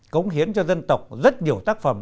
cống hiến cho dân tộc rất nhiều tác phẩm